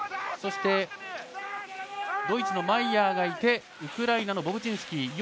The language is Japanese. そしてドイツのマイヤーがいてウクライナのボブチンスキー。